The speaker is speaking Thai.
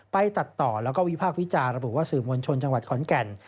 ตัดต่อแล้วก็วิพากษ์วิจารณ์ระบุว่าสื่อมวลชนจังหวัดขอนแก่น